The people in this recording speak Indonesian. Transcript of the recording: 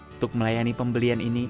untuk melayani pembelian ini